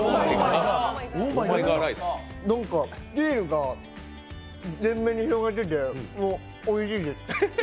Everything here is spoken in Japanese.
もうチーズが全面に広がってておいしいです。